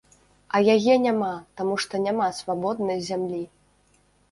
А яе няма, таму што няма свабоднай зямлі.